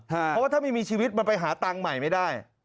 เพราะว่าถ้าไม่มีชีวิตมันไปหาตังค์ใหม่ไม่ได้